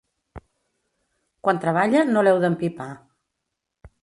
Quan treballa, no l'heu d'empipar.